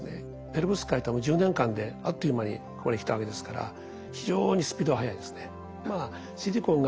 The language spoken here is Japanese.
ペロブスカイトはもう１０年間であっという間にここに来たわけですから非常にスピードは速いですね。